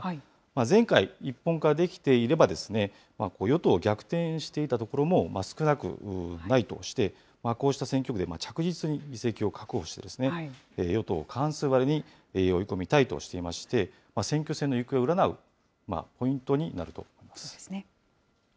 前回、一本化できていれば、与党を逆転していたところも少なくないとして、こうした選挙区で着実に議席を確保して、与党を過半数割れに追い込みたいとしていまして、選挙戦の行方を占うポイントになると思います。